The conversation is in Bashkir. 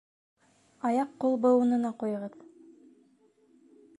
— Аяҡ-ҡул быуынына ҡуйығыҙ.